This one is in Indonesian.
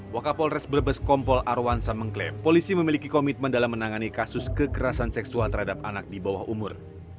wakapolres brebes kompol arwansa mengklaim polisi memiliki komitmen dalam menangani kasus kekerasan seksual terhadap anak di bawah umur